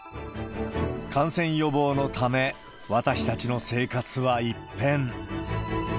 感染予防のため、私たちの生活は一変。